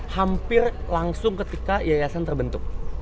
hampir langsung ketika yayasan terbentuk